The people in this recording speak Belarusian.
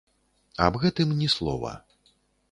Аб гэтым ні слова.